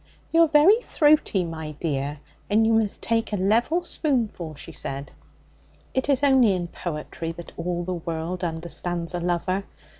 'You're very throaty, my dear, and you must take a level spoonful,' she said. It is only in poetry that all the world understands a lover.